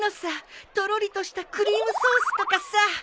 とろりとしたクリームソースとかさ。